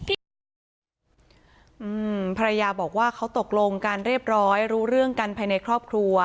ที่เกิดเหตุอืมภรรยาบอกว่าเขาตกลงกันเรียบร้อยรู้เรื่องกันภายในครอบครัว